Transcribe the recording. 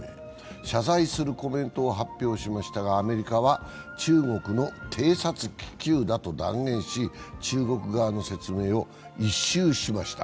謝罪するコメントを発表しましたが、アメリカは中国の偵察気球だと断言し中国側の説明を一蹴しました。